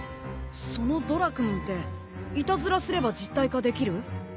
そのドラクモンっていたずらすれば実体化できる？